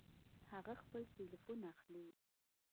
هغه خپل ټيليفون اخلي